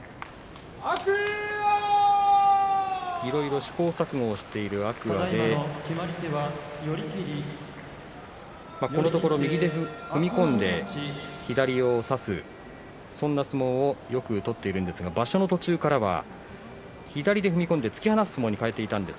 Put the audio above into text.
いろいろ試行錯誤をしている天空海ですが、このところ右で踏み込んで左を差すそんな相撲をよく取っているんですが場所の途中からは左で踏み込んで突き放す相撲に変えていました。